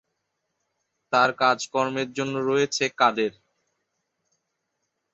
তার কাজ কর্মের জন্য রয়েছে কাদের।